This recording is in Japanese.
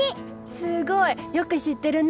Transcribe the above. すごい！よく知ってるね。